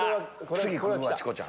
次くるわチコちゃん。